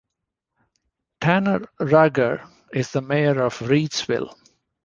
Tanner Rager is the Mayor of Reedsville.